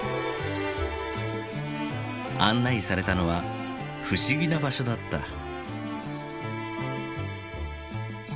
案内されたのは不思議な場所だった。